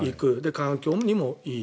環境にもいい。